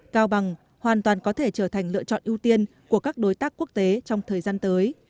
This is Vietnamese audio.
cao bằng hoàn toàn có thể trở thành lựa chọn ưu tiên của các đối tác quốc tế trong thời gian tới